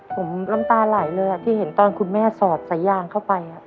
ผมน้ำตาไหลเลยที่เห็นตอนคุณแม่สอดสายยางเข้าไป